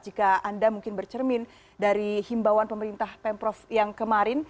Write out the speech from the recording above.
jika anda mungkin bercermin dari himbauan pemerintah pemprov yang kemarin